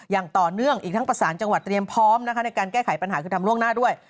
อย่างต่อเนื่องอีกทั้งประสานจังหวัดเตรียมพร้อมนะคะในการแก้ไขปัญหาคือทำล่วงหน้าด้วย